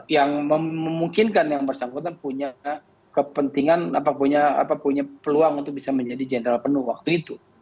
yang memungkinkan yang bersangkutan punya kepentingan punya peluang untuk bisa menjadi jenderal penuh waktu itu